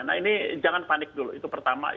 nah ini jangan panik dulu itu pertama